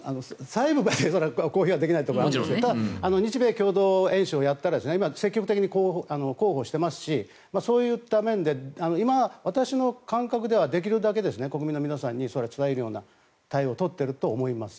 細部まで公表できないところはあるんですが日米共同演習をやったら積極的に広報していますしそういった面で今、私の感覚ではできるだけ国民の皆さんに伝えるような対応を取っていると思います。